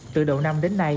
từ đầu năm đến nay